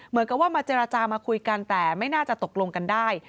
เหมือนกับว่ามาเจรจามาคุยกันแต่ไม่น่าจะตกลงกันได้